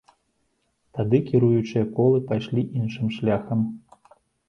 Тады кіруючыя колы пайшлі іншым шляхам.